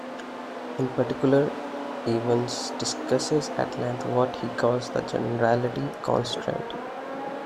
In particular, Evans discusses at length what he calls the "Generality Constraint".